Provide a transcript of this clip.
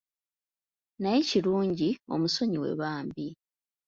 Naye kirungi omusonyiwe bambi.